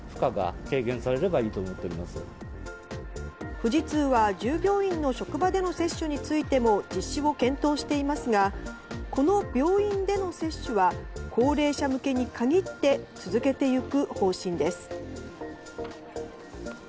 富士通は従業員の職場での接種についても実施を検討していますがこの病院での接種は高齢者向けに限って続けていく方針です。